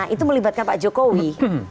itu melibatkan pak jokowi